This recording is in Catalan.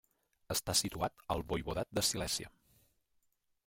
Està situat al voivodat de Silèsia.